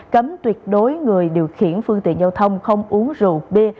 cấm tuyệt đối người điều khiển phương tiện giao thông không uống rượu bia